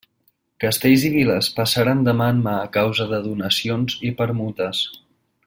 Castells i viles passaren de mà en mà a causa de donacions i permutes.